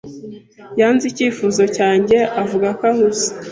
Yanze icyifuzo cyanjye, avuga ko ahuze.